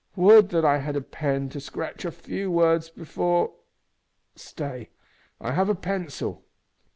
Would that I had a pen to scratch a few words before stay, I have a pencil."